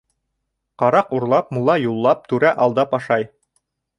Ҡараҡ урлап, мулла юллап, түрә алдап ашай.